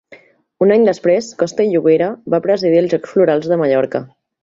Un any després, Costa i Llobera va presidir els Jocs Florals de Mallorca.